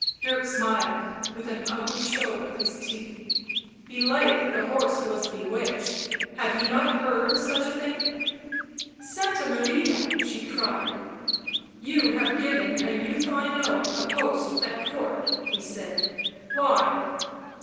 Dirk smiled, with an ugly show of his teeth. " Belike the horse was bewitched — have ye not heard such a thing ?"" Santa Maria !" she cried. " You have given a youth I know a post at Court," he said. " Why